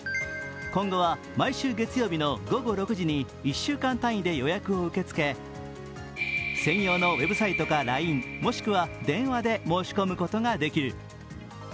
今後は毎週月曜日の午後６時に１週間単位で予約を受け付け専用のウェブサイトかＬＩＮＥ、もしくは電話で申し込むことができる。